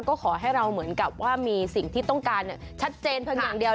ก็ขอให้เราเหมือนกับว่ามีสิ่งที่ต้องการชัดเจนเพียงอย่างเดียว